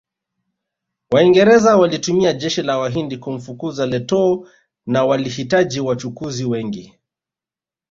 Waingereza walitumia jeshi la Wahindi kumfukuza Lettow na walihitaji wachukuzi wengi